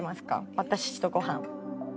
私とごはん。